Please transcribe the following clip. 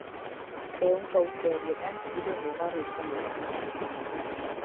Ehunka urte horietan hiru mugarri izan dira.